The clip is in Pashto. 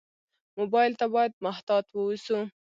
موبایل ته باید محتاط ووسو.